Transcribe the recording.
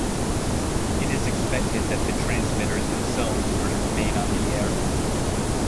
It is expected that the transmitters themselves were to remain on the air.